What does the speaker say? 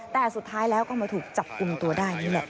แต่สุดท้ายแล้วก็มาถูกจับกลุ่มตัวได้นี่แหละ